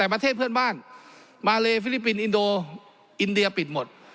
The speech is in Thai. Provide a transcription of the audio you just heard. แต่ประเทศเพื่อนบ้านมาเลฟิลิปปินส์อินโดอินเดียปิดหมด